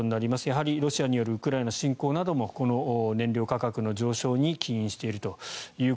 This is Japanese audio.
やはりロシアによるウクライナ侵攻などもこの燃料価格の上昇などに起因していると。